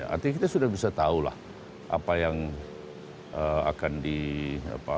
artinya kita sudah bisa tahu lah apa yang akan di apa